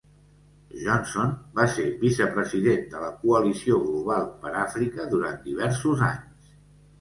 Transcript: Johnson va ser vicepresident de la coalició global per Àfrica durant diversos anys.